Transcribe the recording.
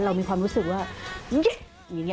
เรามีความรู้สึกว่าเย๊อย่างนี้